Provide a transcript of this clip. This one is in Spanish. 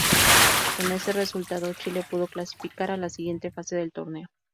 Con ese resultado Chile pudo clasificar a la siguiente fase del torneo.